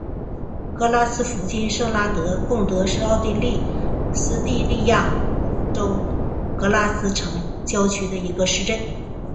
格拉茨附近圣拉德贡德是奥地利施蒂利亚州格拉茨城郊县的一个市镇。